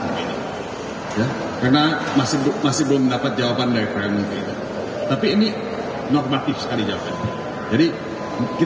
pak tadung mengingat bagaimana pernyataan pak tadung sebelumnya yang diharap untuk kk sri jokowi juga turut dipanggil dalam ruang persidangan